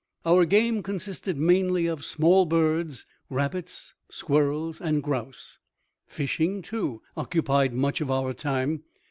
Our game consisted mainly of small birds, rabbits, squirrels and grouse. Fishing, too, occupied much of our time.